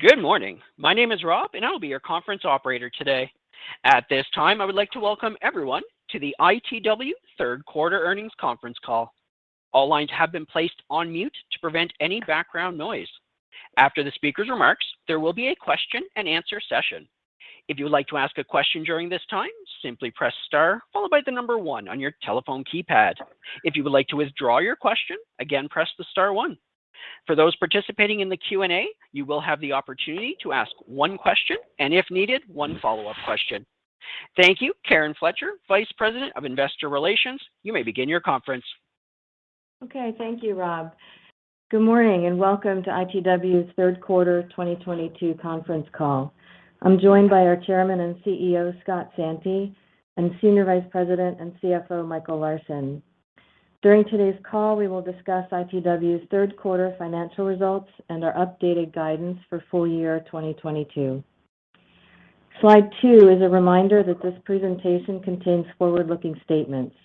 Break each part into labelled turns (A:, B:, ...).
A: Good morning. My name is Rob, and I'll be your conference operator today. At this time, I would like to welcome everyone to the ITW third quarter earnings conference call. All lines have been placed on mute to prevent any background noise. After the speaker's remarks, there will be a question-and-answer session. If you would like to ask a question during this time, simply press star followed by the number one on your telephone keypad. If you would like to withdraw your question, again, press the star one. For those participating in the Q&A, you will have the opportunity to ask one question and, if needed, one follow-up question. Thank you. Karen Fletcher, Vice President of Investor Relations, you may begin your conference.
B: Okay. Thank you, Rob. Good morning, and welcome to ITW's third quarter 2022 conference call. I'm joined by our Chairman and CEO, Scott Santi, and Senior Vice President and CFO, Michael Larsen. During today's call, we will discuss ITW's Q3 financial results and our updated guidance for full year 2022. Slide two is a reminder that this presentation contains forward-looking statements.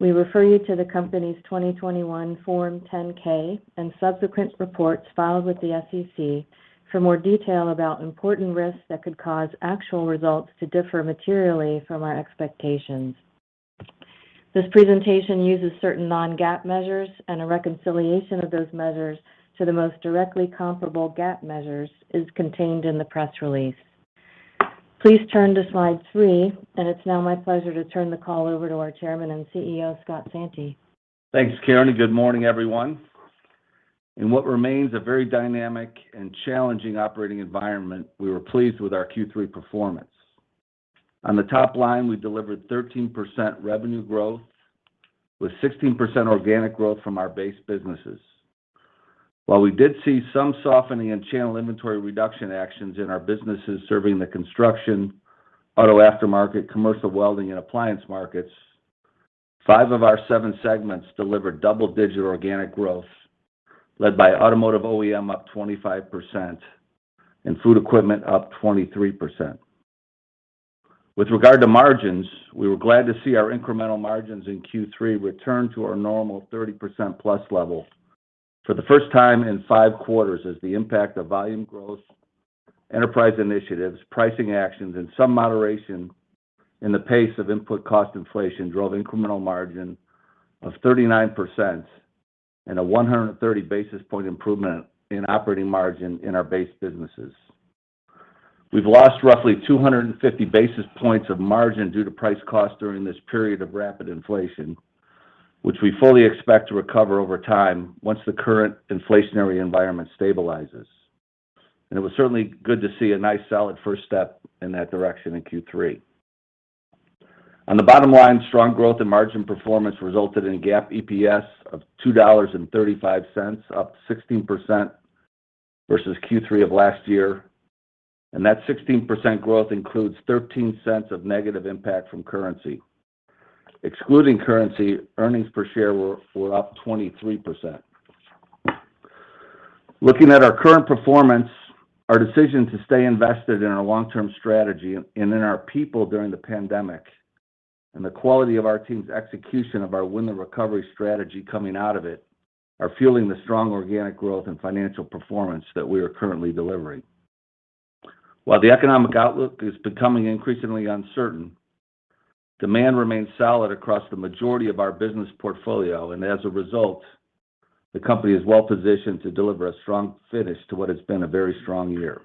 B: We refer you to the company's 2021 Form 10-K and subsequent reports filed with the SEC for more detail about important risks that could cause actual results to differ materially from our expectations. This presentation uses certain non-GAAP measures, and a reconciliation of those measures to the most directly comparable GAAP measures is contained in the press release. Please turn to slide three, and it's now my pleasure to turn the call over to our Chairman and CEO, Scott Santi.
C: Thanks, Karen, and good morning, everyone. In what remains a very dynamic and challenging operating environment, we were pleased with our Q3 performance. On the top line, we delivered 13% revenue growth, with 16% organic growth from our base businesses. While we did see some softening in channel inventory reduction actions in our businesses serving the construction, auto aftermarket, commercial welding, and appliance markets, five of our seven segments delivered double-digit organic growth, led by Automotive OEM up 25% and Food Equipment up 23%. With regard to margins, we were glad to see our incremental margins in Q3 return to our normal 30%+ level for the first time in five quarters as the impact of volume growth, enterprise initiatives, pricing actions, and some moderation in the pace of input cost inflation drove incremental margin of 39% and a 130 basis point improvement in operating margin in our base businesses. We've lost roughly 250 basis points of margin due to price cost during this period of rapid inflation, which we fully expect to recover over time once the current inflationary environment stabilizes, and it was certainly good to see a nice, solid first step in that direction in Q3. On the bottom line, strong growth and margin performance resulted in GAAP EPS of $2.35, up 16% versus Q3 of last year, and that 16% growth includes $)0.13 cents of negative impact from currency. Excluding currency, earnings per share were up 23%. Looking at our current performance, our decision to stay invested in our long-term strategy and in our people during the pandemic, and the quality of our team's execution of our Win the Recovery strategy coming out of it are fueling the strong organic growth and financial performance that we are currently delivering. While the economic outlook is becoming increasingly uncertain, demand remains solid across the majority of our business portfolio, and as a result, the company is well positioned to deliver a strong finish to what has been a very strong year.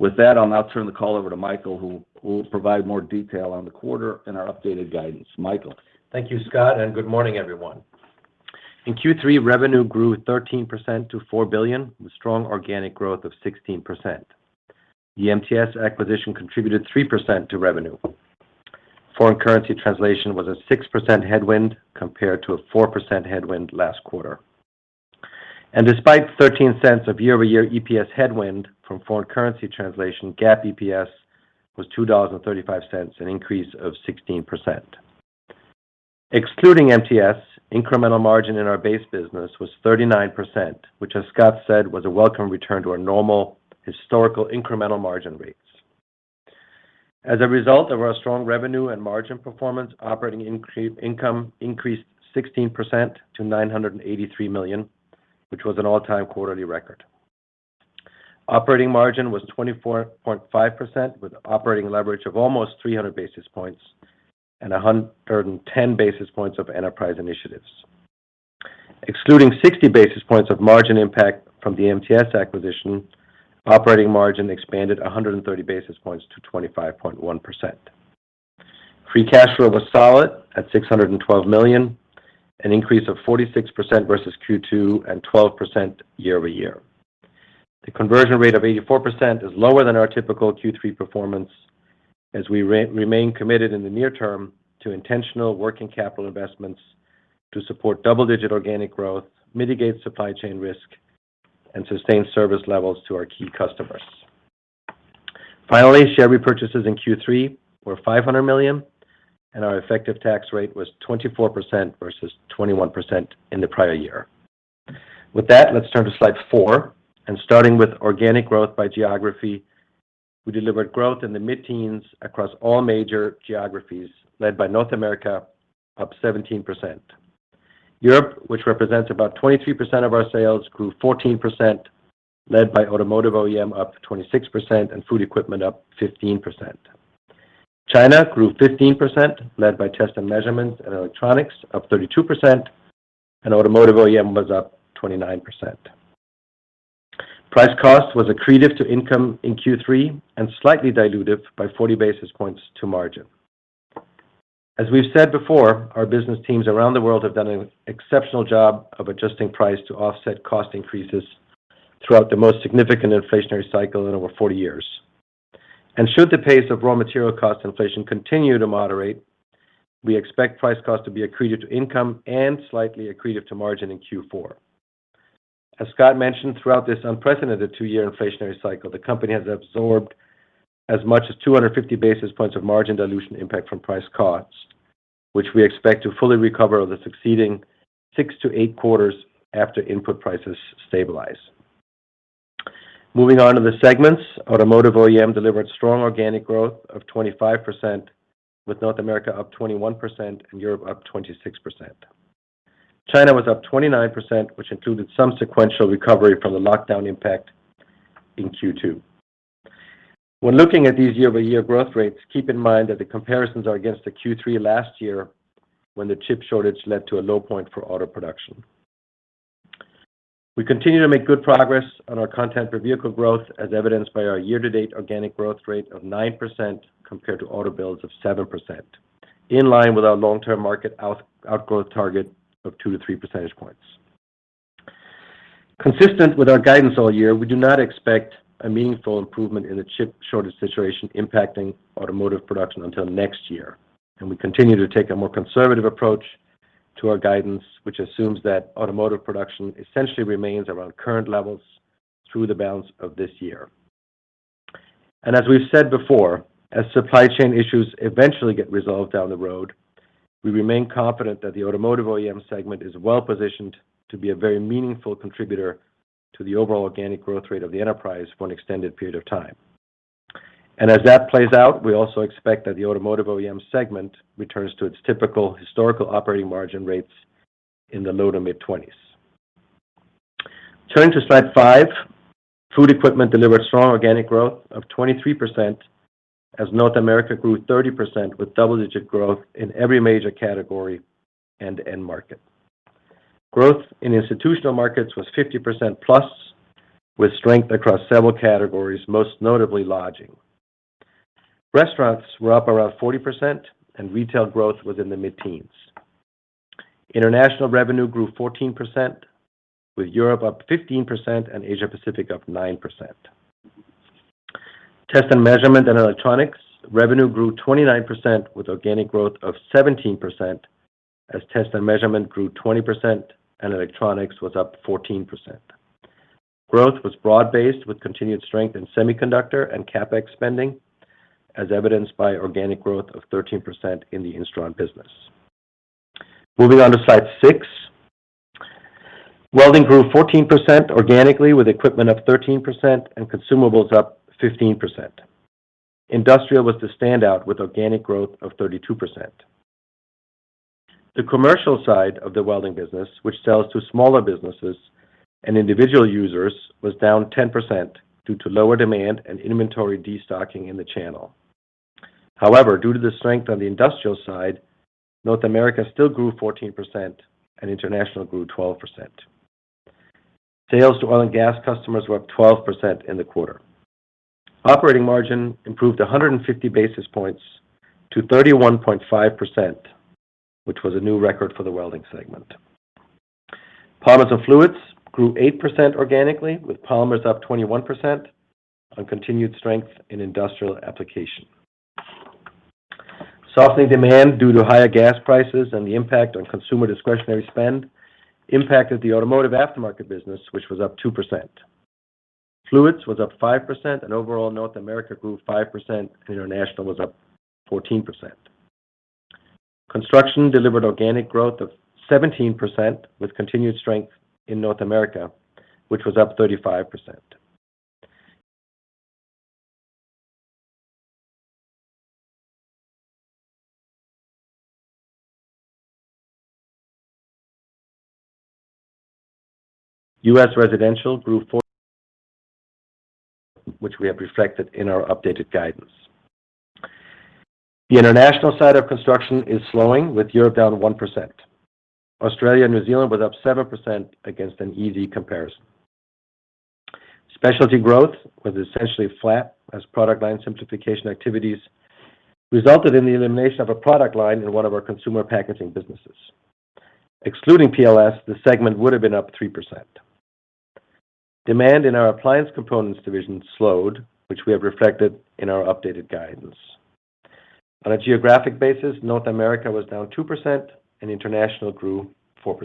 C: With that, I'll now turn the call over to Michael, who will provide more detail on the quarter and our updated guidance. Michael.
D: Thank you, Scott, and good morning, everyone. In Q3, revenue grew 13% to $4 billion, with strong organic growth of 16%. The MTS acquisition contributed 3% to revenue. Foreign currency translation was a 6% headwind compared to a 4% headwind last quarter. Despite $0.13 of year-over-year EPS headwind from foreign currency translation, GAAP EPS was $2.35, an increase of 16%. Excluding MTS, incremental margin in our base business was 39%, which, as Scott said, was a welcome return to our normal historical incremental margin rates. As a result of our strong revenue and margin performance, operating income increased 16% to $983 million, which was an all-time quarterly record. Operating margin was 24.5% with operating leverage of almost 300 basis points and 110 basis points of enterprise initiatives. Excluding 60 basis points of margin impact from the MTS acquisition, operating margin expanded 130 basis points to 25.1%. Free cash flow was solid at $612 million, an increase of 46% versus Q2 and 12% year-over-year. The conversion rate of 84% is lower than our typical Q3 performance as we remain committed in the near term to intentional working capital investments to support double-digit organic growth, mitigate supply chain risk, and sustain service levels to our key customers. Finally, share repurchases in Q3 were $500 million, and our effective tax rate was 24% versus 21% in the prior year. With that, let's turn to slide four, and starting with organic growth by geography, we delivered growth in the mid-teens across all major geographies, led by North America, up 17%. Europe, which represents about 22% of our sales, grew 14%, led by Automotive OEM up 26% and Food Equipment up 15%. China grew 15%, led by Test & Measurement and Electronics up 32%, and Automotive OEM was up 29%. Price cost was accretive to income in Q3 and slightly dilutive by 40 basis points to margin. As we've said before, our business teams around the world have done an exceptional job of adjusting price to offset cost increases throughout the most significant inflationary cycle in over 40 years. Should the pace of raw material cost inflation continue to moderate, we expect price cost to be accretive to income and slightly accretive to margin in Q4. As Scott mentioned, throughout this unprecedented two-year inflationary cycle, the company has absorbed as much as 250 basis points of margin dilution impact from price costs, which we expect to fully recover over the succeeding 6-8 quarters after input prices stabilize. Moving on to the segments, Automotive OEM delivered strong organic growth of 25%, with North America up 21% and Europe up 26%. China was up 29%, which included some sequential recovery from the lockdown impact in Q2. When looking at these year-over-year growth rates, keep in mind that the comparisons are against the Q3 last year when the chip shortage led to a low point for auto production. We continue to make good progress on our content per vehicle growth, as evidenced by our year-to-date organic growth rate of 9% compared to auto builds of 7%, in line with our long-term market outgrowth target of 2-3 percentage points. Consistent with our guidance all year, we do not expect a meaningful improvement in the chip shortage situation impacting automotive production until next year. We continue to take a more conservative approach to our guidance, which assumes that automotive production essentially remains around current levels through the balance of this year. As we've said before, as supply chain issues eventually get resolved down the road, we remain confident that the Automotive OEM segment is well-positioned to be a very meaningful contributor to the overall organic growth rate of the enterprise for an extended period of time. As that plays out, we also expect that the Automotive OEM segment returns to its typical historical operating margin rates in the low- to mid-20s. Turning to slide five, Food Equipment delivered strong organic growth of 23% as North America grew 30% with double-digit growth in every major category and end market. Growth in institutional markets was 50%+, with strength across several categories, most notably lodging. Restaurants were up around 40%, and retail growth was in the mid-teens. International revenue grew 14%, with Europe up 15% and Asia Pacific up 9%. Test & Measurement and Electronics revenue grew 29% with organic growth of 17% as Test & Measurement grew 20% and Electronics was up 14%. Growth was broad-based with continued strength in semiconductor and CapEx spending, as evidenced by organic growth of 13% in the Instron business. Moving on to slide six. Welding grew 14% organically, with equipment up 13% and consumables up 15%. Industrial was the standout with organic growth of 32%. The commercial side of the welding business, which sells to smaller businesses and individual users, was down 10% due to lower demand and inventory destocking in the channel. However, due to the strength on the industrial side, North America still grew 14% and International grew 12%. Sales to oil and gas customers were up 12% in the quarter. Operating margin improved 150 basis points to 31.5%, which was a new record for the welding segment. Polymers & Fluids grew 8% organically, with polymers up 21% on continued strength in industrial application. Softening demand due to higher gas prices and the impact on consumer discretionary spend impacted the automotive aftermarket business, which was up 2%. Fluids was up 5% and overall North America grew 5%, and international was up 14%. Construction delivered organic growth of 17% with continued strength in North America, which was up 35%. U.S. residential grew 4%, which we have reflected in our updated guidance. The international side of construction is slowing, with Europe down 1%. Australia and New Zealand was up 7% against an easy comparison. Specialty growth was essentially flat as product line simplification activities resulted in the elimination of a product line in one of our consumer packaging businesses. Excluding PLS, the segment would have been up 3%. Demand in our appliance components division slowed, which we have reflected in our updated guidance. On a geographic basis, North America was down 2% and International grew 4%.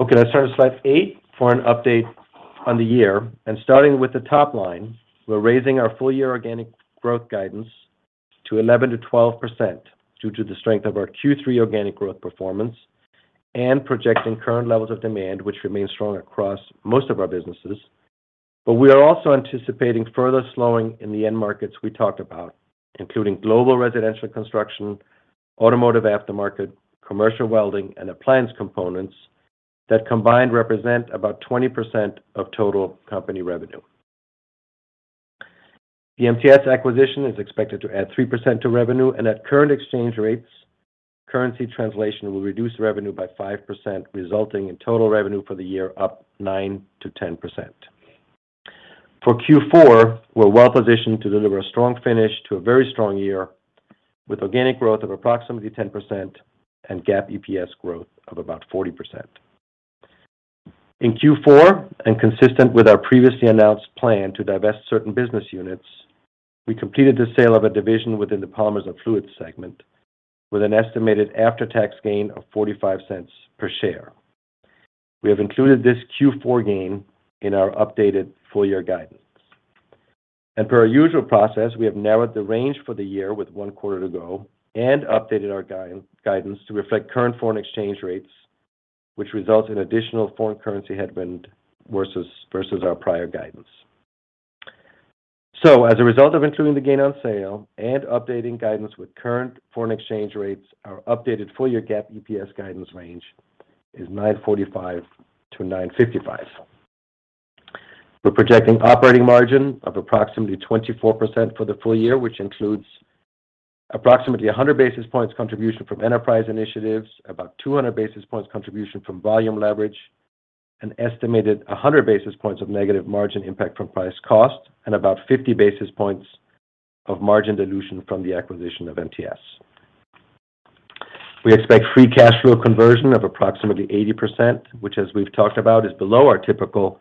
D: Okay, let's turn to slide eight for an update on the year. Starting with the top line, we're raising our full year organic growth guidance to 11%-12% due to the strength of our Q3 organic growth performance and projecting current levels of demand, which remain strong across most of our businesses. We are also anticipating further slowing in the end markets we talked about, including global residential construction, automotive aftermarket, commercial welding, and appliance components that combined represent about 20% of total company revenue. The MTS acquisition is expected to add 3% to revenue, and at current exchange rates, currency translation will reduce revenue by 5%, resulting in total revenue for the year up 9%-10%. For Q4, we're well-positioned to deliver a strong finish to a very strong year with organic growth of approximately 10% and GAAP EPS growth of about 40%. In Q4, consistent with our previously announced plan to divest certain business units, we completed the sale of a division within the Polymers & Fluids segment with an estimated after-tax gain of $0.45 per share. We have included this Q4 gain in our updated full year guidance. Per our usual process, we have narrowed the range for the year with one quarter to go and updated our guidance to reflect current foreign exchange rates, which results in additional foreign currency headwind versus our prior guidance. As a result of including the gain on sale and updating guidance with current foreign exchange rates, our updated full year GAAP EPS guidance range is $9.45-$9.55. We're projecting operating margin of approximately 24% for the full year, which includes approximately 100 basis points contribution from enterprise initiatives, about 200 basis points contribution from volume leverage, an estimated 100 basis points of negative margin impact from price cost, and about 50 basis points of margin dilution from the acquisition of MTS. We expect free cash flow conversion of approximately 80%, which, as we've talked about, is below our typical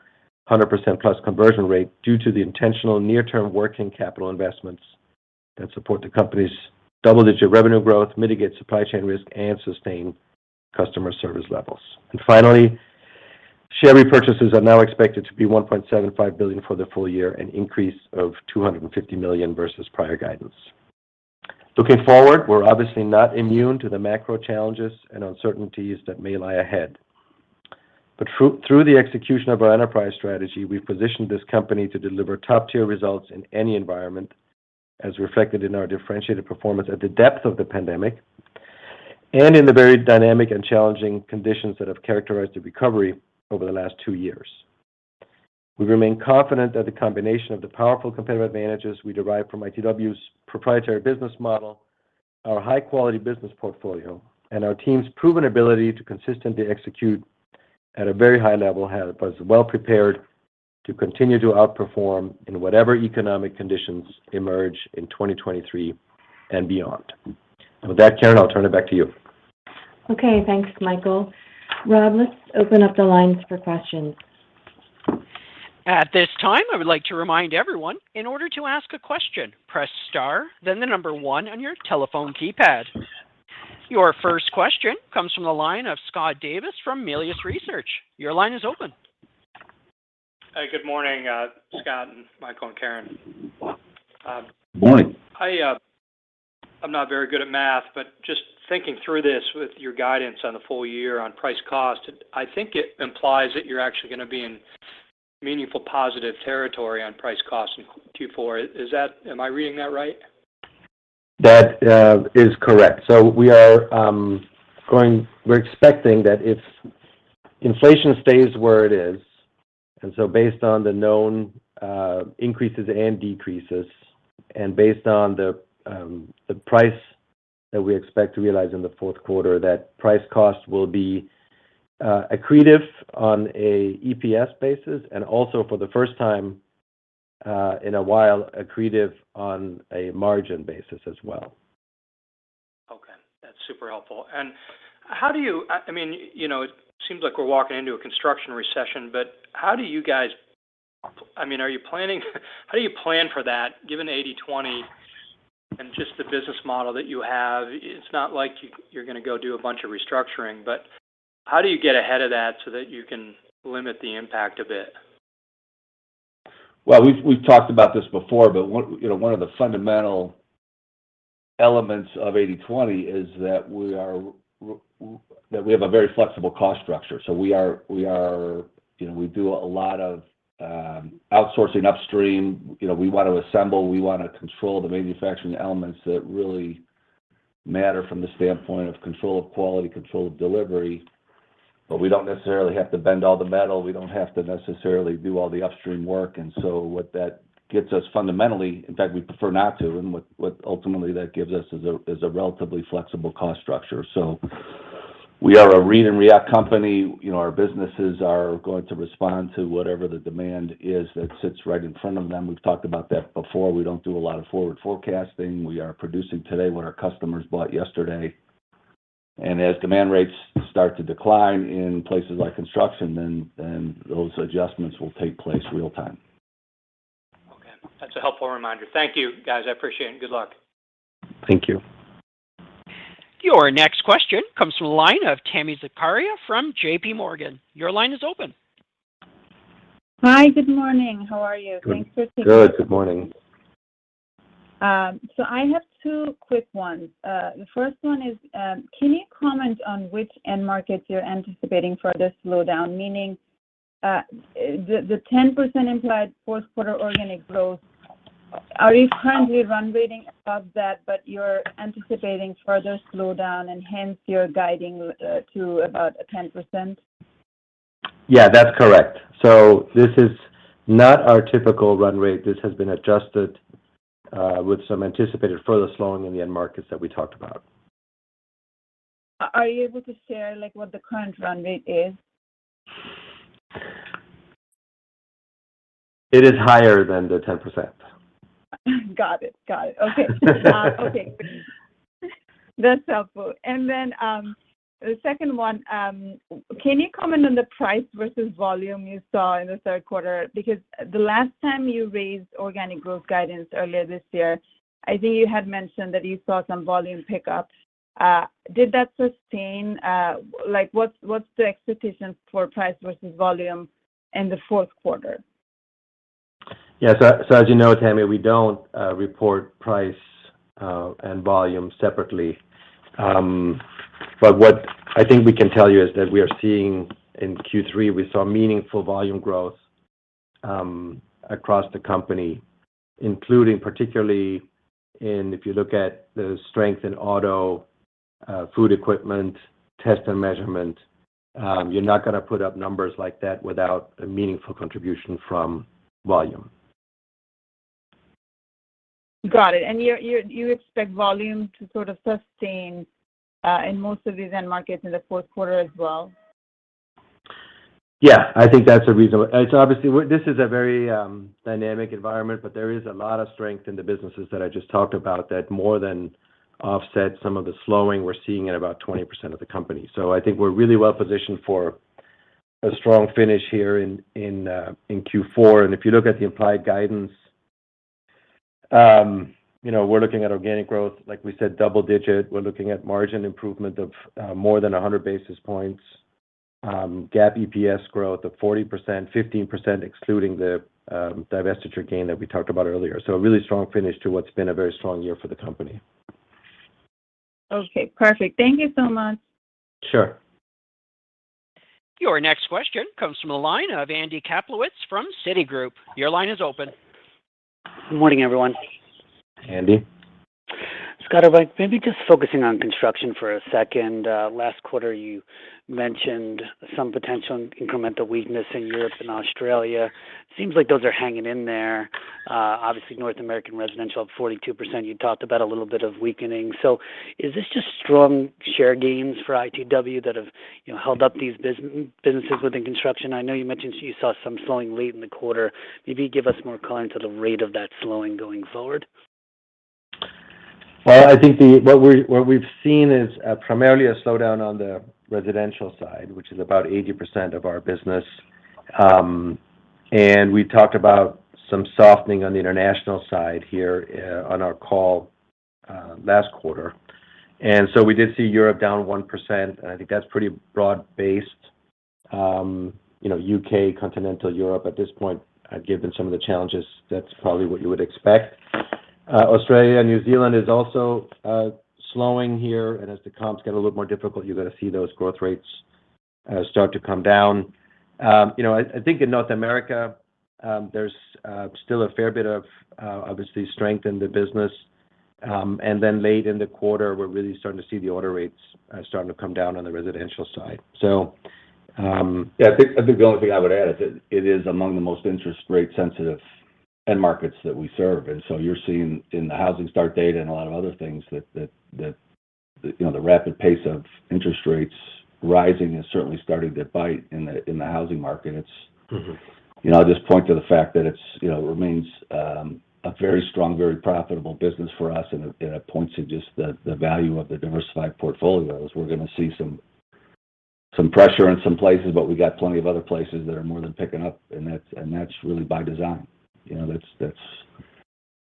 D: 100% plus conversion rate due to the intentional near-term working capital investments that support the company's double-digit revenue growth, mitigate supply chain risk, and sustain customer service levels. Finally, share repurchases are now expected to be $1.75 billion for the full year, an increase of $250 million versus prior guidance. Looking forward, we're obviously not immune to the macro challenges and uncertainties that may lie ahead. Through the execution of our enterprise strategy, we've positioned this company to deliver top-tier results in any environment, as reflected in our differentiated performance at the depth of the pandemic and in the very dynamic and challenging conditions that have characterized the recovery over the last two years. We remain confident that the combination of the powerful competitive advantages we derive from ITW's proprietary business model, our high-quality business portfolio, and our team's proven ability to consistently execute at a very high level have us well prepared to continue to outperform in whatever economic conditions emerge in 2023 and beyond. With that, Karen, I'll turn it back to you.
B: Okay. Thanks, Michael. Rob, let's open up the lines for questions.
A: At this time, I would like to remind everyone, in order to ask a question, press star, then one on your telephone keypad. Your first question comes from the line of Scott Davis from Melius Research. Your line is open.
E: Hi. Good morning, Scott and Michael and Karen.
D: Morning.
E: I'm not very good at math, but just thinking through this with your guidance on the full year on price cost, I think it implies that you're actually gonna be in meaningful positive territory on price cost in Q4. Is that? Am I reading that right?
D: That is correct. We are expecting that if inflation stays where it is, and based on the known increases and decreases, and based on the price that we expect to realize in the Q4, that price cost will be accretive on a EPS basis and also, for the first time in a while, accretive on a margin basis as well.
E: Okay. That's super helpful. I mean, you know, it seems like we're walking into a construction recession, but how do you plan for that given 80/20 and just the business model that you have? It's not like you're gonna go do a bunch of restructuring, but how do you get ahead of that so that you can limit the impact of it?
D: Well, we've talked about this before, but one, you know, one of the fundamental elements of 80/20 is that we have a very flexible cost structure. We are, you know, we do a lot of outsourcing upstream. You know, we want to assemble, we want to control the manufacturing elements that really matter from the standpoint of control of quality, control of delivery, but we don't necessarily have to bend all the metal. We don't have to necessarily do all the upstream work. What that gets us fundamentally. In fact, we prefer not to, and what ultimately that gives us is a relatively flexible cost structure. We are a read and react company. You know, our businesses are going to respond to whatever the demand is that sits right in front of them. We've talked about that before. We don't do a lot of forward forecasting. We are producing today what our customers bought yesterday. As demand rates start to decline in places like construction, then those adjustments will take place real time.
E: Okay. That's a helpful reminder. Thank you, guys. I appreciate it, and good luck.
D: Thank you.
A: Your next question comes from the line of Tami Zakaria from JPMorgan. Your line is open.
F: Hi. Good morning. How are you? Thanks for taking-
D: Good morning.
F: I have two quick ones. The first one is, can you comment on which end markets you're anticipating further slowdown? Meaning, the 10% implied Q4 organic growth. Are you currently run rating above that, but you're anticipating further slowdown, and hence you're guiding to about a 10%?
D: Yeah, that's correct. This is not our typical run rate. This has been adjusted, with some anticipated further slowing in the end markets that we talked about.
F: Are you able to share, like, what the current run rate is?
D: It is higher than the 10%.
F: Got it. Okay. That's helpful. The second one, can you comment on the price versus volume you saw in the third quarter? Because the last time you raised organic growth guidance earlier this year, I think you had mentioned that you saw some volume pickup. Did that sustain? Like, what's the expectations for price versus volume in the fourth quarter?
D: Yeah. As you know, Tami, we don't report price and volume separately. What I think we can tell you is that we saw in Q3 meaningful volume growth across the company, including particularly, if you look at the strength in auto, Food Equipment, Test & Measurement. You're not gonna put up numbers like that without a meaningful contribution from volume.
F: Got it. You expect volume to sort of sustain in most of these end markets in the Q4 as well?
D: Yeah. I think that's reasonable. This is a very dynamic environment, but there is a lot of strength in the businesses that I just talked about that more than offset some of the slowing we're seeing at about 20% of the company. I think we're really well positioned for a strong finish here in Q4. If you look at the implied guidance, you know, we're looking at organic growth, like we said, double-digit. We're looking at margin improvement of more than 100 basis points. GAAP EPS growth of 40%, 15% excluding the divestiture gain that we talked about earlier. A really strong finish to what's been a very strong year for the company.
F: Okay. Perfect. Thank you so much.
D: Sure.
A: Your next question comes from the line of Andy Kaplowitz from Citigroup. Your line is open.
G: Good morning, everyone.
D: Andy.
G: Scott, if I may maybe just focusing on construction for a second. Last quarter, you mentioned some potential incremental weakness in Europe and Australia. Seems like those are hanging in there. Obviously, North American residential up 42%. You talked about a little bit of weakening. Is this just strong share gains for ITW that have, you know, held up these businesses within construction? I know you mentioned you saw some slowing late in the quarter. Maybe give us more color into the rate of that slowing going forward.
D: Well, I think what we've seen is primarily a slowdown on the residential side, which is about 80% of our business. We talked about some softening on the international side here, on our call last quarter. We did see Europe down 1%, and I think that's pretty broad-based. You know, U.K., Continental Europe. At this point, given some of the challenges, that's probably what you would expect. Australia and New Zealand is also slowing here, and as the comps get a little more difficult, you're gonna see those growth rates start to come down. You know, I think in North America, there's still a fair bit of obviously strength in the business. Late in the quarter, we're really starting to see the order rates, starting to come down on the residential side.
C: Yeah. I think the only thing I would add is it is among the most interest rate sensitive end markets that we serve. You're seeing in the housing start data and a lot of other things that you know the rapid pace of interest rates rising is certainly starting to bite in the housing market. It's
G: Mm-hmm.
C: You know, I'll just point to the fact that it's, you know, remains a very strong, very profitable business for us, and it points to just the value of the diversified portfolios. We're gonna see some pressure in some places, but we got plenty of other places that are more than picking up, and that's really by design. You know,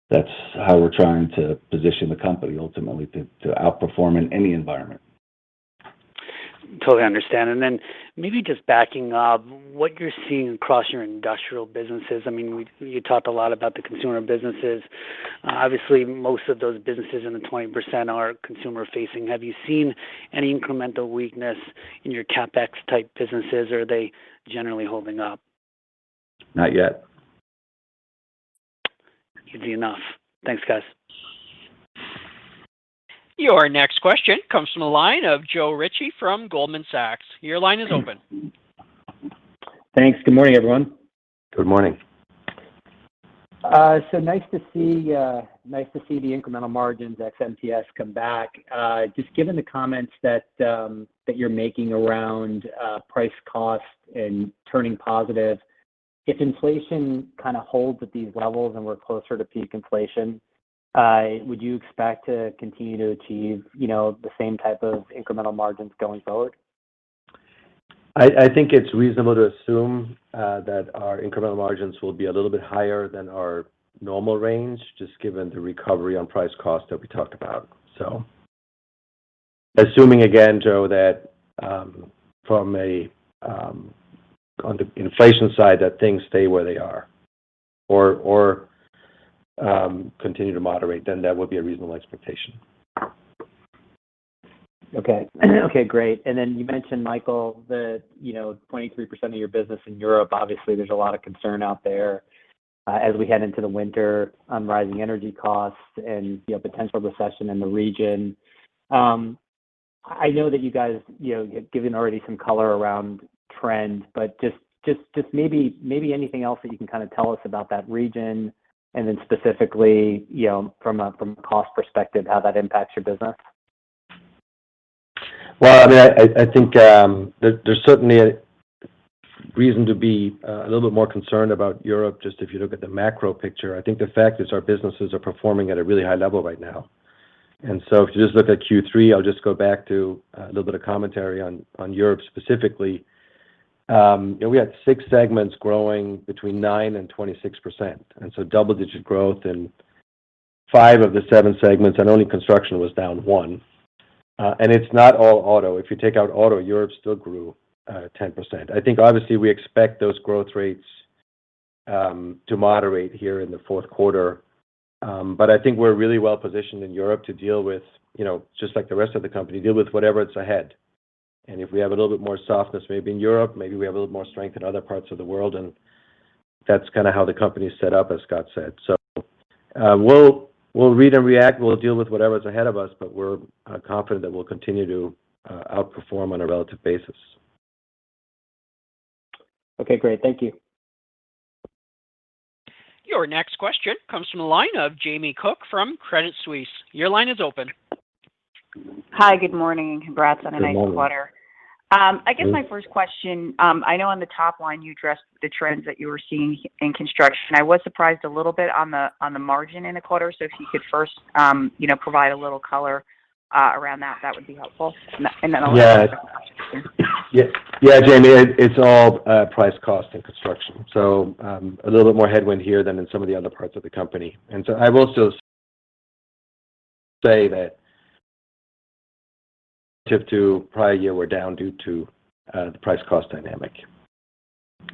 C: that's how we're trying to position the company ultimately to outperform in any environment.
G: Totally understand. Maybe just backing up, what you're seeing across your industrial businesses. I mean, you talked a lot about the consumer businesses. Obviously, most of those businesses in the 20% are consumer-facing. Have you seen any incremental weakness in your CapEx type businesses? Or are they generally holding up?
D: Not yet.
G: Good to know. Thanks, guys.
A: Your next question comes from the line of Joe Ritchie from Goldman Sachs. Your line is open.
H: Thanks. Good morning, everyone.
D: Good morning.
H: Nice to see the incremental margins ex MTS come back. Just given the comments that you're making around price-cost and turning positive, if inflation kind of holds at these levels and we're closer to peak inflation, would you expect to continue to achieve the same type of incremental margins going forward?
D: I think it's reasonable to assume that our incremental margins will be a little bit higher than our normal range, just given the recovery on price cost that we talked about. Assuming again, Joe, that from a on the inflation side that things stay where they are or continue to moderate, then that would be a reasonable expectation.
H: Okay. Okay, great. Then you mentioned, Michael, that, you know, 23% of your business in Europe, obviously, there's a lot of concern out there, as we head into the winter on rising energy costs and, you know, potential recession in the region. I know that you guys, you know, have given already some color around trend, but just maybe anything else that you can kind of tell us about that region and then specifically, you know, from a cost perspective, how that impacts your business.
D: Well, I mean, I think there's certainly a reason to be a little bit more concerned about Europe, just if you look at the macro picture. I think the fact is our businesses are performing at a really high level right now. If you just look at Q3, I'll just go back to a little bit of commentary on Europe specifically. You know, we had six segments growing between 9%-26%, and so double-digit growth in five of the seven segments, and only construction was down 1%. And it's not all auto. If you take out auto, Europe still grew 10%. I think obviously we expect those growth rates to moderate here in the Q4. I think we're really well-positioned in Europe to deal with, you know, just like the rest of the company, deal with whatever it's ahead. If we have a little bit more softness maybe in Europe, maybe we have a little more strength in other parts of the world, and that's kind of how the company is set up, as Scott said. We'll read and react, we'll deal with whatever's ahead of us, but we're confident that we'll continue to outperform on a relative basis.
H: Okay, great. Thank you.
A: Your next question comes from the line of Jamie Cook from Credit Suisse. Your line is open.
I: Hi, good morning, and congrats on a nice quarter.
D: Good morning.
I: I guess my first question, I know on the top line you addressed the trends that you were seeing in construction. I was surprised a little bit on the margin in the quarter. If you could first, you know, provide a little color around that would be helpful. And then I'll
D: Yeah, Jamie, it's all price cost in Construction. A little bit more headwind here than in some of the other parts of the company. I will also say that relative to prior year, we're down due to the price cost dynamic.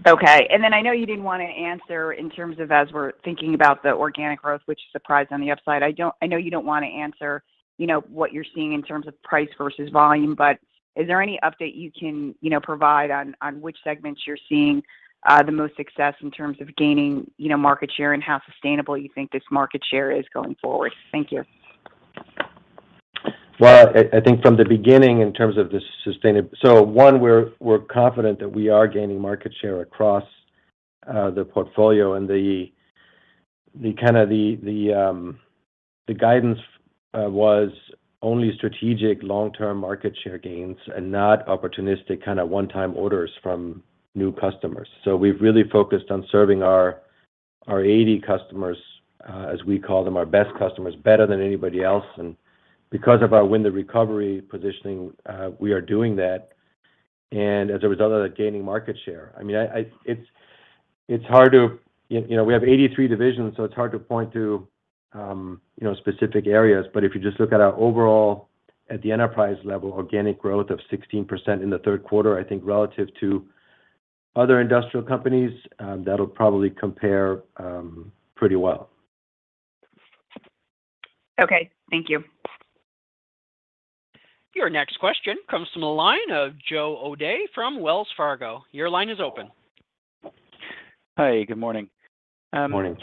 I: Okay. Then I know you didn't want to answer in terms of as we're thinking about the organic growth, which surprised on the upside. I know you don't want to answer, you know, what you're seeing in terms of price versus volume, but is there any update you can, you know, provide on which segments you're seeing the most success in terms of gaining, you know, market share and how sustainable you think this market share is going forward? Thank you.
D: We're confident that we are gaining market share across the portfolio, and the kind of guidance was only strategic long-term market share gains and not opportunistic kind of one-time orders from new customers. We've really focused on serving our 80 customers, as we call them, our best customers, better than anybody else. Because of our Win the Recovery positioning, we are doing that. As a result of that, gaining market share. I mean, it's hard to point to specific areas. You know, we have 83 divisions, so it's hard to point to specific areas. If you just look at our overall at the enterprise level, organic growth of 16% in the Q3, I think relative to other industrial companies, that'll probably compare pretty well.
I: Okay. Thank you.
A: Your next question comes from the line of Joe O'Dea from Wells Fargo. Your line is open.
J: Hi, good morning.
D: Morning.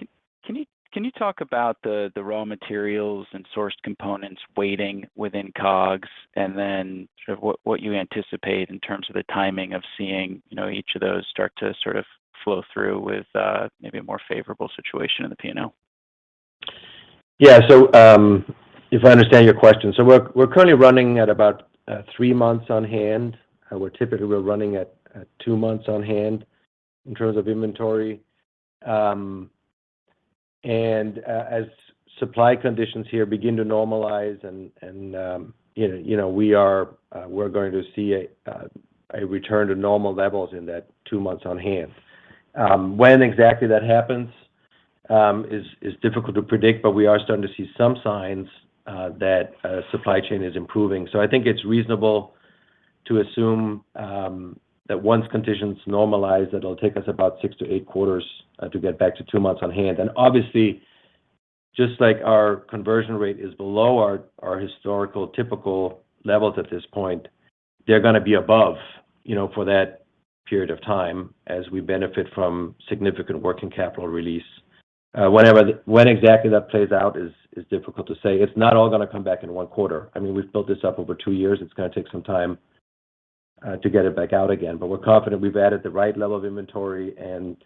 J: Can you talk about the raw materials and sourced components contained within COGS and then sort of what you anticipate in terms of the timing of seeing, you know, each of those start to sort of flow through with maybe a more favorable situation in the P&L?
D: Yeah. If I understand your question. We're currently running at about three months on hand. We're typically running at two months on hand in terms of inventory. As supply conditions here begin to normalize and you know, we're going to see a return to normal levels in that two months on hand. When exactly that happens is difficult to predict, but we are starting to see some signs that supply chain is improving. I think it's reasonable to assume that once conditions normalize, it'll take us about 6-8 quarters to get back to two months on hand. Obviously, just like our conversion rate is below our historical typical levels at this point, they're gonna be above, you know, for that period of time as we benefit from significant working capital release. When exactly that plays out is difficult to say. It's not all gonna come back in one quarter. I mean, we've built this up over two years. It's gonna take some time to get it back out again. We're confident we've added the right level of inventory and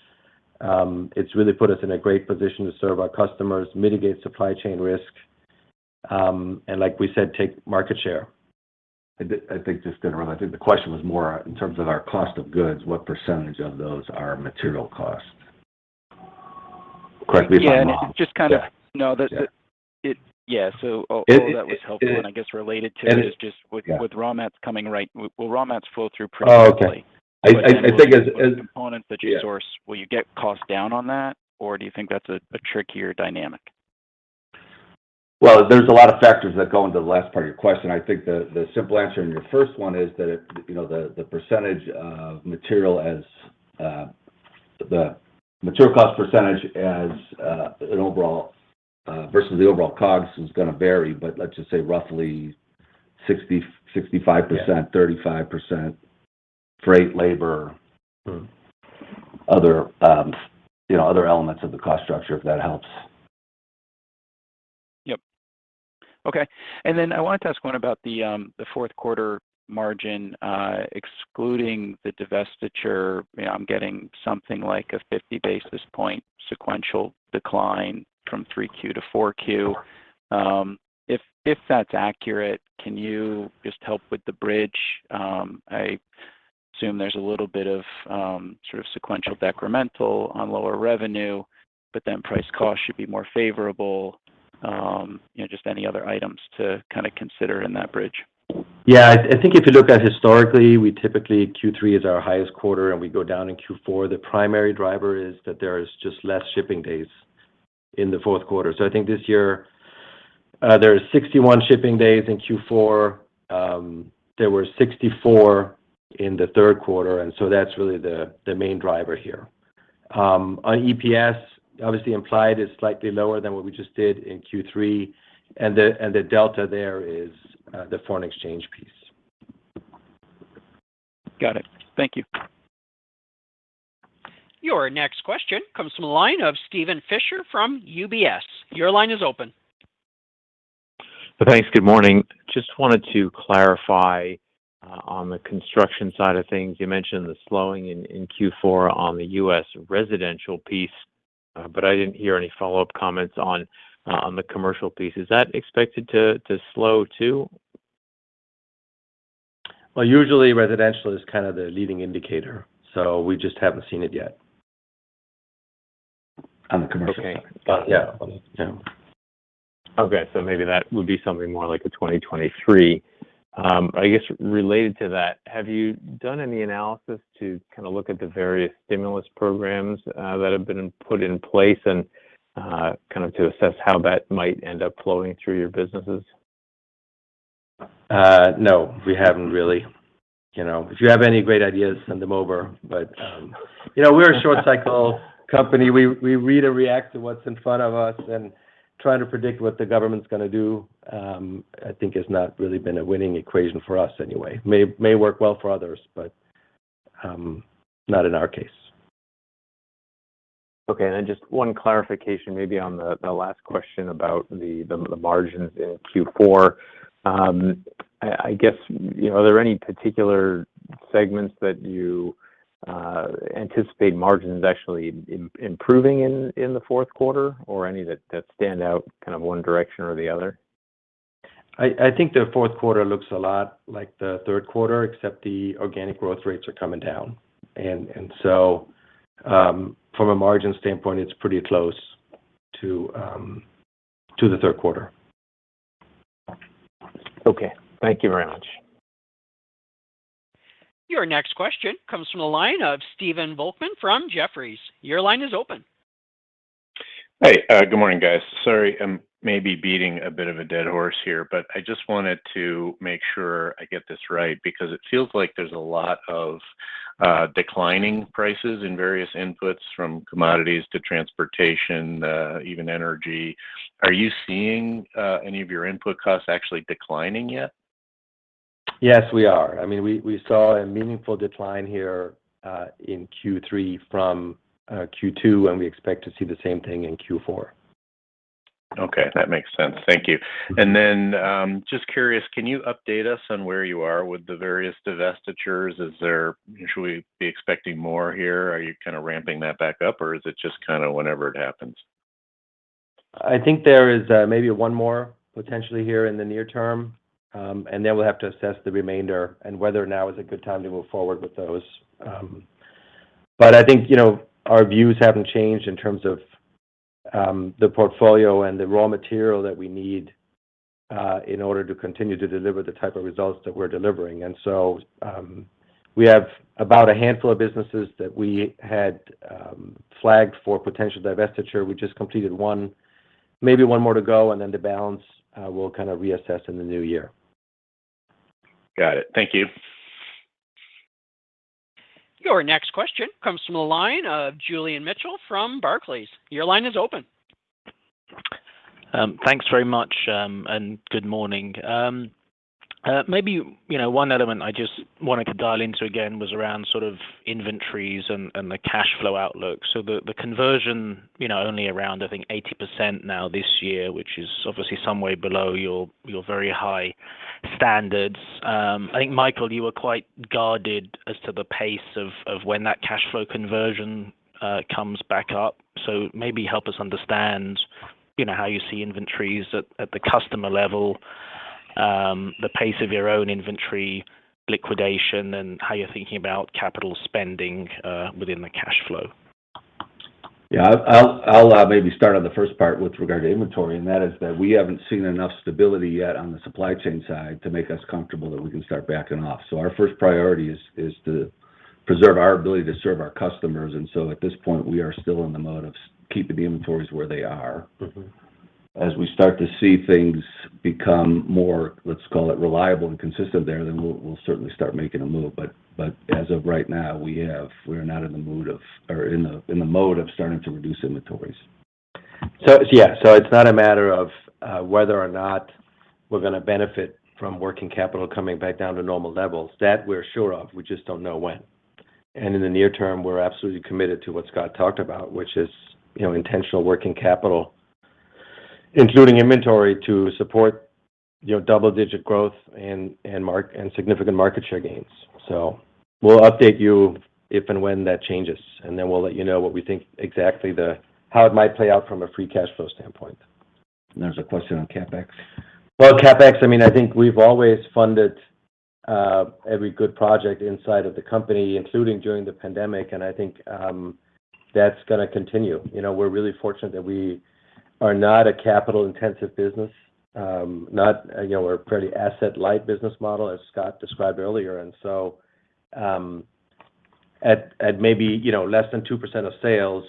D: it's really put us in a great position to serve our customers, mitigate supply chain risk, and like we said, take market share.
C: I think just to interrupt, I think the question was more in terms of our cost of goods, what percentage of those are material costs? Correct me if I'm wrong.
J: Yeah. It just kind of.
C: Yeah.
J: No, yeah. So all of that was helpful.
D: It, it-
J: I guess related to it is just.
D: It is-
J: With raw mats coming right, will raw mats flow through pretty quickly?
D: Oh, okay. I think as
J: Components that you source, will you get cost down on that, or do you think that's a trickier dynamic?
D: Well, there's a lot of factors that go into the last part of your question. I think the simple answer in your first one is that you know, the percentage of material, the material cost percentage as an overall versus the overall COGS is gonna vary. Let's just say roughly 65%.
J: Yeah
D: 35% freight, labor-
J: Mm
D: other, you know, other elements of the cost structure, if that helps.
J: Yep. Okay. I wanted to ask one about the Q4 margin, excluding the divestiture. You know, I'm getting something like a 50 basis point sequential decline from 3Q to 4Q.
D: Sure.
J: If that's accurate, can you just help with the bridge? I assume there's a little bit of sort of sequential decremental on lower revenue, but then price cost should be more favorable. You know, just any other items to kind of consider in that bridge.
D: Yeah. I think if you look at historically, we typically Q3 is our highest quarter, and we go down in Q4. The primary driver is that there is just less shipping days in the Q4. I think this year there are 61 shipping days in Q4. There were 64 in the Q3, and that's really the main driver here. On EPS, obviously implied is slightly lower than what we just did in Q3, and the delta there is the foreign exchange piece.
J: Got it. Thank you.
A: Your next question comes from the line of Steven Fisher from UBS. Your line is open.
K: Thanks. Good morning. Just wanted to clarify on the construction side of things. You mentioned the slowing in Q4 on the U.S. residential piece, but I didn't hear any follow-up comments on the commercial piece. Is that expected to slow too?
D: Well, usually residential is kind of the leading indicator, so we just haven't seen it yet on the commercial side.
K: Okay. Got it.
D: Yeah. Yeah.
K: Okay. Maybe that would be something more like a 2023. I guess related to that, have you done any analysis to kind of look at the various stimulus programs that have been put in place and kind of to assess how that might end up flowing through your businesses?
D: No. We haven't really. You know, if you have any great ideas, send them over. You know, we're a short cycle company. We read or react to what's in front of us, and trying to predict what the government's gonna do, I think has not really been a winning equation for us anyway. May work well for others, but not in our case.
K: Okay. Just one clarification maybe on the last question about the margins in Q4. I guess, you know, are there any particular segments that you anticipate margins actually improving in the Q4, or any that stand out kind of one direction or the other?
D: I think the Q4 looks a lot like the Q3, except the organic growth rates are coming down. From a margin standpoint, it's pretty close to the Q3.
K: Okay. Thank you very much.
A: Your next question comes from the line of Stephen Volkmann from Jefferies. Your line is open.
L: Hey. Good morning, guys. Sorry, I'm maybe beating a bit of a dead horse here, but I just wanted to make sure I get this right because it feels like there's a lot of declining prices in various inputs from commodities to transportation, even energy. Are you seeing any of your input costs actually declining yet?
D: Yes, we are. I mean, we saw a meaningful decline here in Q3 from Q2, and we expect to see the same thing in Q4.
L: Okay. That makes sense. Thank you. Just curious, can you update us on where you are with the various divestitures? Should we be expecting more here? Are you kind of ramping that back up, or is it just kind of whenever it happens?
D: I think there is, maybe one more potentially here in the near term. We'll have to assess the remainder and whether now is a good time to move forward with those. I think, you know, our views haven't changed in terms of, the portfolio and the raw material that we need, in order to continue to deliver the type of results that we're delivering. We have about a handful of businesses that we had, flagged for potential divestiture. We just completed one. Maybe one more to go, and then the balance, we'll kind of reassess in the new year.
L: Got it. Thank you.
A: Your next question comes from the line of Julian Mitchell from Barclays. Your line is open.
M: Thanks very much. Good morning. Maybe, you know, one element I just wanted to dial into again was around sort of inventories and the cash flow outlook. The conversion, you know, only around, I think, 80% now this year, which is obviously some way below your very high standards. I think, Michael, you were quite guarded as to the pace of when that cash flow conversion comes back up. Maybe help us understand, you know, how you see inventories at the customer level, the pace of your own inventory liquidation, and how you're thinking about capital spending within the cash flow.
D: Yeah. I'll maybe start on the first part with regard to inventory, and that is that we haven't seen enough stability yet on the supply chain side to make us comfortable that we can start backing off. Our first priority is to preserve our ability to serve our customers. At this point, we are still in the mode of keeping the inventories where they are.
M: Mm-hmm.
D: As we start to see things become more, let's call it reliable and consistent there, then we'll certainly start making a move. As of right now, we're not in the mood of, or in the mode of starting to reduce inventories. Yeah. It's not a matter of whether or not we're gonna benefit from working capital coming back down to normal levels. That we're sure of, we just don't know when. In the near term, we're absolutely committed to what Scott talked about, which is, you know, intentional working capital, including inventory to support, you know, double-digit growth and significant market share gains. We'll update you if and when that changes, and then we'll let you know what we think exactly the how it might play out from a free cash flow standpoint.
M: There's a question on CapEx.
D: Well, CapEx, I mean, I think we've always funded every good project inside of the company, including during the pandemic, and I think that's gonna continue. You know, we're really fortunate that we are not a capital-intensive business, you know, we're a pretty asset-light business model, as Scott described earlier. At maybe, you know, less than 2% of sales,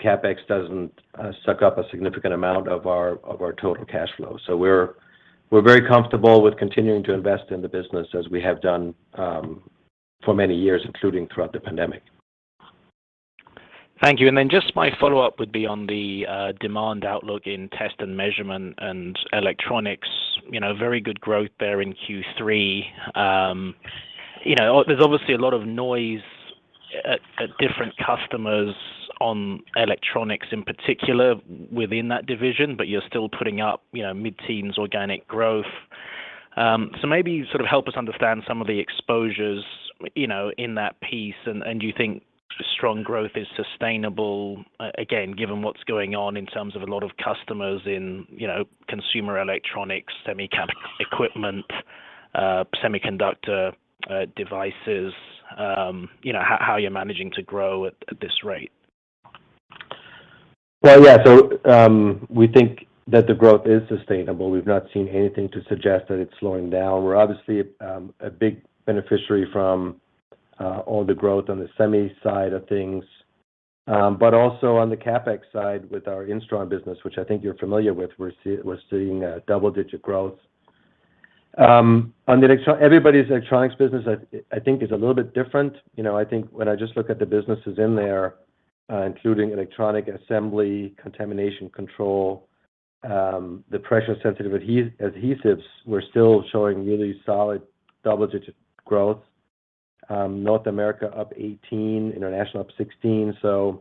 D: CapEx doesn't suck up a significant amount of our total cash flow. We're very comfortable with continuing to invest in the business as we have done for many years, including throughout the pandemic.
M: Thank you. Just my follow-up would be on the demand outlook in Test & Measurement and Electronics. You know, very good growth there in Q3. You know, there's obviously a lot of noise at different customers on electronics, in particular, within that division, but you're still putting up, you know, mid-teens organic growth. So maybe sort of help us understand some of the exposures, you know, in that piece, and do you think strong growth is sustainable, again, given what's going on in terms of a lot of customers in, you know, consumer electronics, semi equipment, semiconductor devices, you know, how you're managing to grow at this rate?
D: Yeah. We think that the growth is sustainable. We've not seen anything to suggest that it's slowing down. We're obviously a big beneficiary from all the growth on the semi side of things, but also on the CapEx side with our Instron business, which I think you're familiar with. We're seeing double-digit growth. On everybody's electronics business, I think, is a little bit different. You know, I think when I just look at the businesses in there, including electronic assembly, contamination control, the pressure-sensitive adhesives, we're still showing really solid double-digit growth. North America up 18%, international up 16%.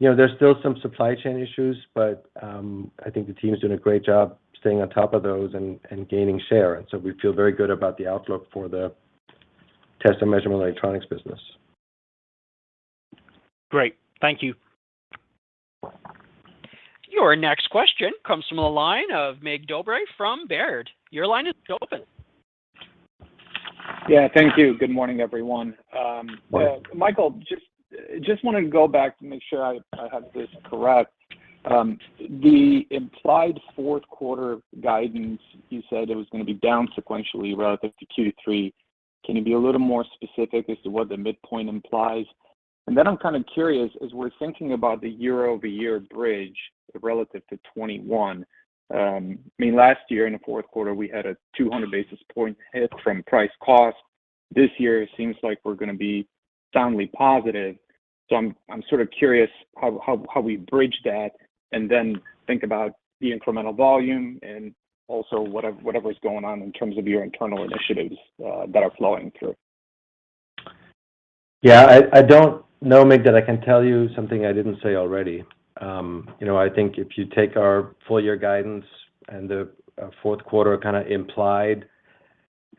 D: You know, there's still some supply chain issues, but I think the team is doing a great job staying on top of those and gaining share. We feel very good about the outlook for the Test & Measurement and Electronics business.
M: Great. Thank you.
A: Your next question comes from the line of Mig Dobre from Baird. Your line is open.
N: Yeah, thank you. Good morning, everyone. Well, Michael, just wanted to go back to make sure I have this correct. The implied Q4 guidance, you said it was gonna be down sequentially relative to Q3. Can you be a little more specific as to what the midpoint implies? And then I'm kind of curious, as we're thinking about the year-over-year bridge relative to 2021, I mean, last year in the Q4, we had a 200 basis point hit from price cost. This year it seems like we're gonna be soundly positive. So I'm sort of curious how we bridge that and then think about the incremental volume and also whatever's going on in terms of your internal initiatives that are flowing through.
D: I don't know, Mig, that I can tell you something I didn't say already. You know, I think if you take our full year guidance and the Q4 kind of implied,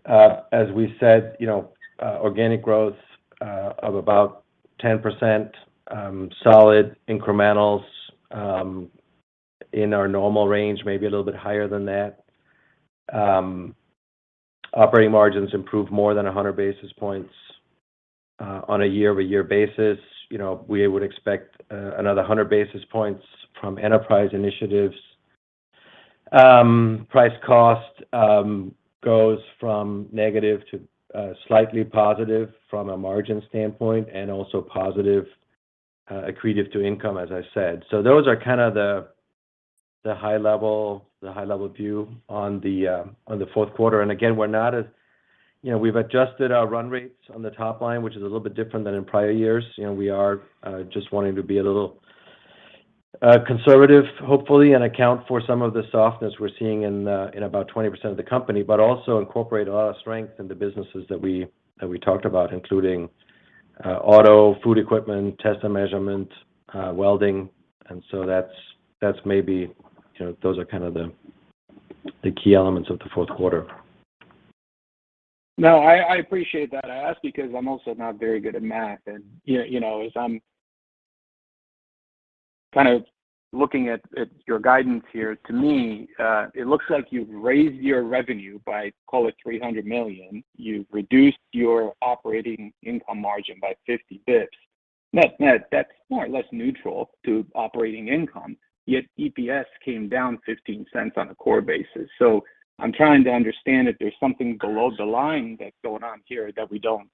D: as we said, you know, organic growth of about 10%, solid incrementals in our normal range, maybe a little bit higher than that. Operating margins improved more than 100 basis points on a year-over-year basis. You know, we would expect another 100 basis points from enterprise initiatives. Price cost goes from negative to slightly positive from a margin standpoint, and also positive accretive to income, as I said. Those are kind of the high-level view on the fourth quarter. Again, we're not as You know, we've adjusted our run rates on the top line, which is a little bit different than in prior years. You know, we are just wanting to be a little conservative, hopefully, and account for some of the softness we're seeing in about 20% of the company, but also incorporate our strength in the businesses that we talked about, including auto, Food Equipment, Test and Measurement, Welding. That's maybe, you know, those are kind of the key elements of the fourth quarter.
N: No, I appreciate that. I ask because I'm also not very good at math. You know, as I'm kind of looking at your guidance here, to me, it looks like you've raised your revenue by, call it $300 million. You've reduced your operating income margin by 50 basis points. No, that's more or less neutral to operating income, yet EPS came down $0.15 on a core basis. I'm trying to understand if there's something below the line that's going on here that we don't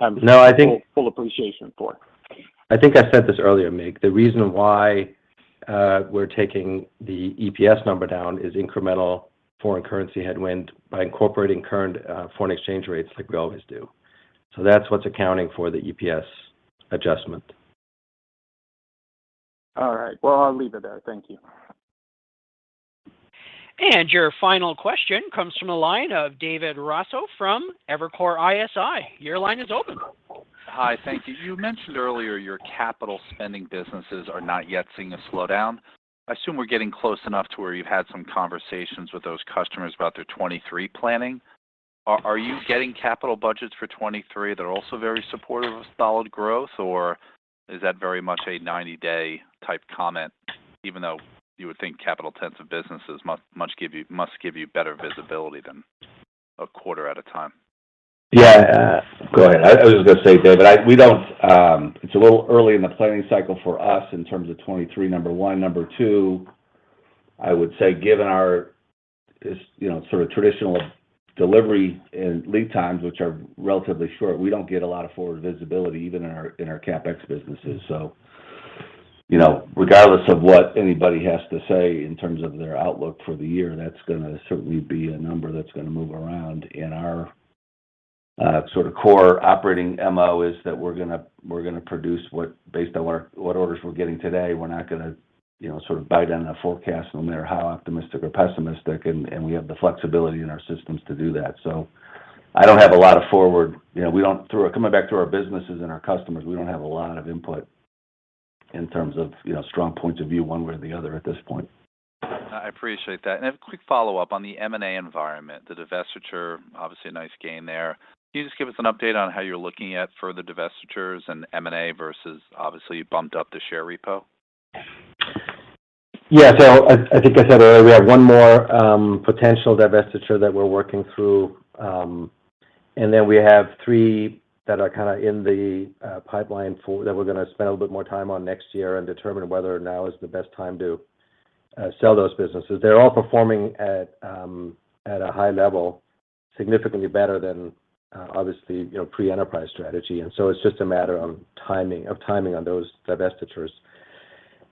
N: have.
D: No, I think.
N: full appreciation for.
D: I think I said this earlier, Mig, the reason why we're taking the EPS number down is incremental foreign currency headwind by incorporating current foreign exchange rates like we always do. That's what's accounting for the EPS adjustment.
N: All right. Well, I'll leave it there. Thank you.
A: Your final question comes from the line of David Raso from Evercore ISI. Your line is open.
O: Hi. Thank you. You mentioned earlier your capital spending businesses are not yet seeing a slowdown. I assume we're getting close enough to where you've had some conversations with those customers about their 2023 planning. Are you getting capital budgets for 2023 that are also very supportive of solid growth, or is that very much a 90-day type comment, even though you would think capital intensive businesses must give you better visibility than a quarter at a time?
D: Yeah.
C: Go ahead. I was just gonna say, David, we don't. It's a little early in the planning cycle for us in terms of 2023, number one. Number two, I would say given our, you know, sort of traditional delivery and lead times, which are relatively short, we don't get a lot of forward visibility even in our CapEx businesses. You know, regardless of what anybody has to say in terms of their outlook for the year, that's gonna certainly be a number that's gonna move around. Our sort of core operating MO is that we're gonna produce what based on what orders we're getting today. We're not gonna, you know, sort of bite on a forecast no matter how optimistic or pessimistic, and we have the flexibility in our systems to do that. Coming back to our businesses and our customers, we don't have a lot of input in terms of, you know, strong points of view one way or the other at this point.
O: I appreciate that. A quick follow-up on the M&A environment, the divestiture, obviously a nice gain there. Can you just give us an update on how you're looking at further divestitures and M&A versus obviously you bumped up the share repo?
D: Yeah. I think I said earlier, we have one more potential divestiture that we're working through. Then we have three that are kind of in the pipeline that we're gonna spend a bit more time on next year and determine whether now is the best time to sell those businesses. They're all performing at a high level, significantly better than obviously you know pre-enterprise strategy. It's just a matter of timing on those divestitures.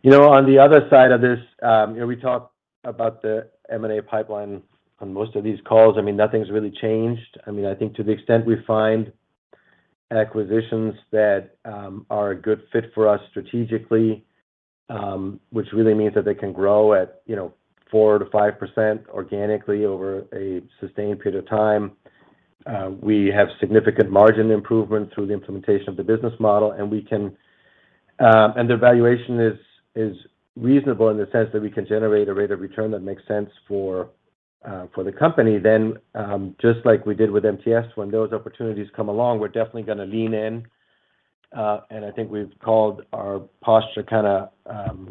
D: You know, on the other side of this, you know, we talk about the M&A pipeline on most of these calls. I mean, nothing's really changed. I mean, I think to the extent we find acquisitions that are a good fit for us strategically, which really means that they can grow at, you know, 4%-5% organically over a sustained period of time. We have significant margin improvement through the implementation of the business model, and the valuation is reasonable in the sense that we can generate a rate of return that makes sense for the company, then just like we did with MTS, when those opportunities come along, we're definitely gonna lean in. I think we've called our posture kind of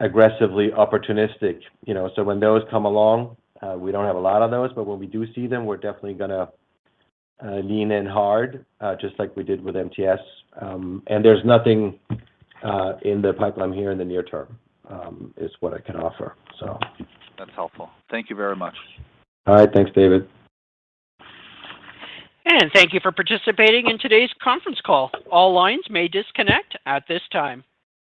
D: aggressively opportunistic, you know. When those come along, we don't have a lot of those, but when we do see them, we're definitely gonna lean in hard, just like we did with MTS. There's nothing in the pipeline here in the near term, is what I can offer.
O: That's helpful. Thank you very much.
D: All right. Thanks, David.
A: Thank you for participating in today's conference call. All lines may disconnect at this time.